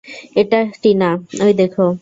এই টিনা, ওই দেখো।